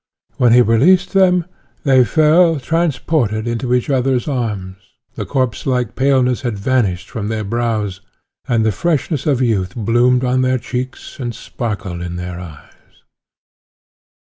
When he released them, they fell, transported, into each others arms; the corpse like paleness had vanished from their brows, and the freshness of youth bloomed on their cheeks and sparkled in their eyes.